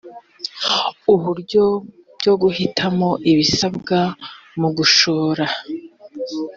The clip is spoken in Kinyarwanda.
uburyo byo guhitamo ibisabwa mu gushora